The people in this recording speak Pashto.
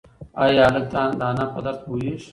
ایا هلک د انا په درد پوهېږي؟